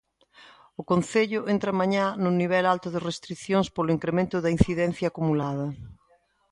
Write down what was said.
O concello entra mañá no nivel alto de restricións polo incremento da incidencia acumulada.